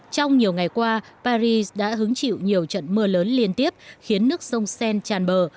trong nhiều ngày qua paris đã hứng chịu nhiều trận mưa lớn liên tiếp khiến nước sông sen tràn bờ